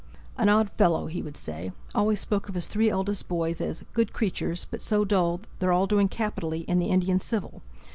"An odd fellow!" he would say: "always spoke of his three eldest boys as 'good creatures, but so dull'; they're all doing capitally in the Indian Civil!